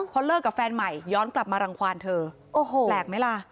พอเลิกกับแฟนใหม่ย้อนกลับมารังความเธอโอ้โหแปลกไหมล่ะ